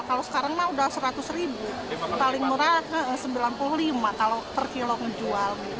kalau sekarang mah udah seratus ribu paling murah rp sembilan puluh lima kalau per kilo ngejual